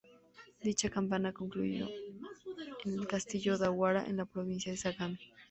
Dicha campaña concluyó en el castillo Odawara en la Provincia de Sagami.